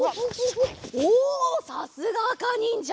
おおさすがあかにんじゃ。